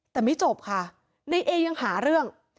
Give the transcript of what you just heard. แต่ไม่จบค่ะในเอยังหาเรื่อง